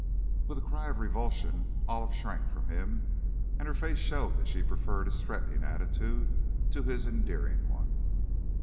With a cry of revulsion, Olive shrank from him, and her face showed that she preferred his threatening attitude to his endearing one.